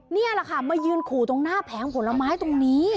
นี่แหละค่ะมายืนขู่ตรงหน้าแผงผลไม้ตรงนี้